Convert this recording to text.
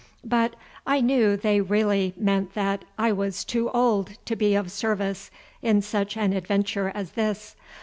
But I knew they really meant that I was too old to be of service in such an adventure as this.